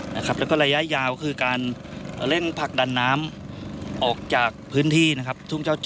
แล้วก็ระยะยาวคือการเร่งผลักดันน้ำออกจากพื้นที่นะครับทุ่งเจ้า